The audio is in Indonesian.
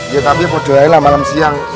ya tapi bodoailah malem siang